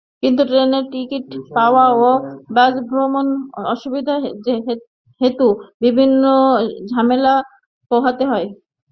কিন্তু ট্রেনের টিকিট পাওয়া এবং বাসভ্রমণ অসুবিধা হেতু বিভিন্ন ঝামেলা পোহাতে হয়।